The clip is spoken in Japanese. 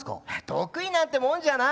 得意なんてもんじゃない！